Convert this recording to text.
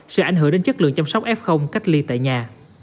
sẽ ảnh hưởng đến chất lượng chăm sóc f cách ly tại nhà